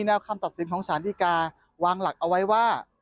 แนวคำตัดสินของสารดีกาวางหลักเอาไว้ว่า